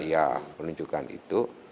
ya penunjukkan itu